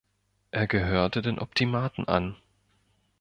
Er gehörte den Optimaten an.